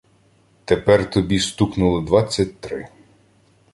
Тепер тобі стукнуло двадцять три